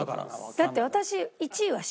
だって私。